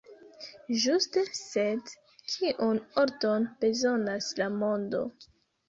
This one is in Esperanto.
Ĝuste, sed kiun ordon bezonas la mondo?